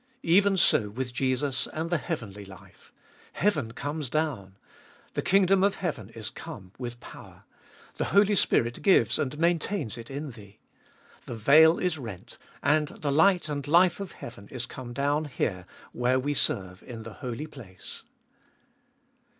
Even so with Jesus and the heavenly life. Heaven comes down. The kingdom of heaven is come with power; the Holy Spirit glues and maintains it in thee. The veil Is rent, and the light and life of heaven is come down here where we serve in the Holy Place.